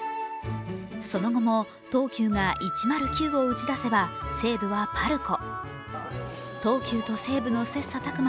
その後も、東急が１０９を打ち出せば西武はＰＡＲＣＯ。